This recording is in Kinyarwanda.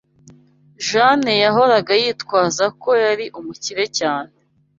Jane yahoraga yitwaza ko yari umukire cyane.